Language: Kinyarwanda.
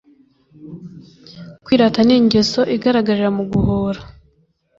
kwirata ni ingeso igaragarira mu guhora